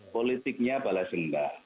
politiknya balas jendak